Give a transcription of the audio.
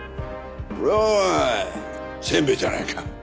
それはせんべいじゃないか。